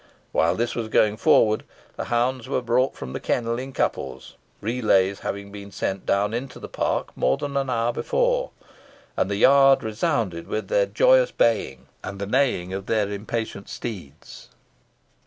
While this was going forward, the hounds were brought from the kennel in couples relays having been sent down into the park more than an hour before and the yard resounded with their joyous baying, and the neighing of the impatient steeds.